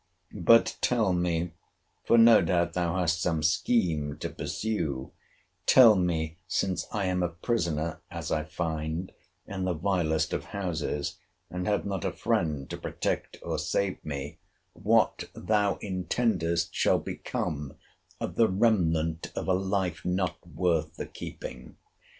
But tell me, (for no doubt thou hast some scheme to pursue,) tell me, since I am a prisoner, as I find, in the vilest of houses, and have not a friend to protect or save me, what thou intendest shall become of the remnant of a life not worth the keeping!